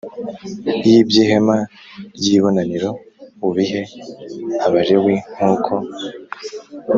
y iby ihema ry ibonaniro ubihe Abalewi nk uko